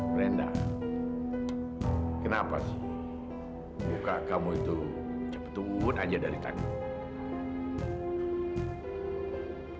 brenda kenapa sih buka kamu itu cepetut aja dari tangan